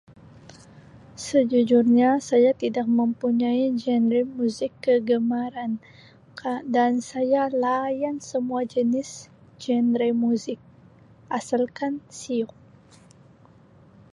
Sejujurnya saya tidak mempunyai genre muzik kegemaran ka dan saya layan semua jenis genre muzik asal kan siuk.